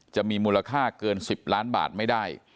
จะมีมูลค่าเกิน๑๐ล้านบาทไม่ได้